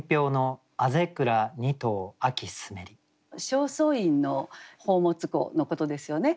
正倉院の宝物庫のことですよね。